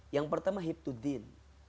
yang pertama hibdudin